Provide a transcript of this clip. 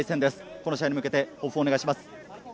この試合に向けて、抱負をお願いします。